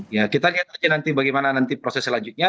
ya kita lihat aja nanti bagaimana nanti proses selanjutnya